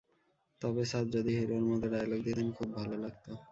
তবে স্যার, যদি হিরোর মতো ডায়ালগ দিতেন, খুব ভাল লাগতো।